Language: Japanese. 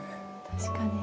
確かに。